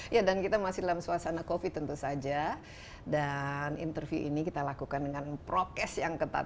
ya dan kita masih dalam suasana covid tentu saja dan interview ini kita lakukan dengan prokes yang ketat